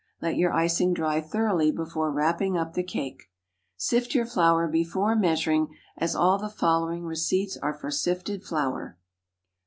Let your icing dry thoroughly before wrapping up the cake. Sift your flour before measuring, as all the following receipts are for sifted flour.